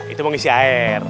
itu mau ngisi air